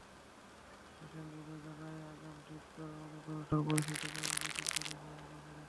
প্রতিষ্ঠানগুলো জানায়, আগাম ঠিক করা অনেক অনুষ্ঠান পরিস্থিতির কারণে বাতিল করছেন আয়োজকেরা।